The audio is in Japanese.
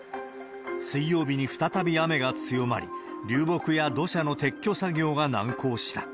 水曜日に再び雨が強まり、流木や土砂の撤去作業が難航した。